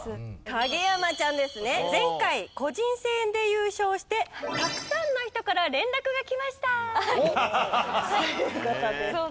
影山ちゃんですね前回個人戦で優勝してたくさんの人から連絡が来ました！という事ですけれど。